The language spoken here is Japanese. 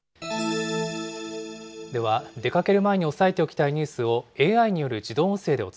では、出かける前に押さえておきたいニュースをＡＩによる自動音声でお